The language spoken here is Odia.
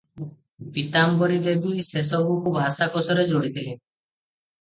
ପୀତାମ୍ବରୀ ଦେବୀ ସେସବୁକୁ ଭାଷାକୋଷରେ ଯୋଡ଼ିଥିଲେ ।